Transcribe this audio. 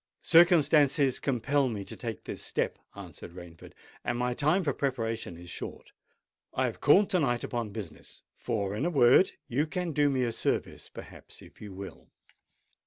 "Circumstances compel me to take this step," answered Rainford; "and my time for preparation is short. I have called to night upon business—for, in a word, you can do me a service, perhaps, if you will."